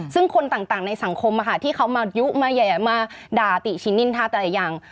ซึ่งคนต่างในสังคมที่เขามายุมาแห่มาด่าติชินนินทาแต่ละอย่าง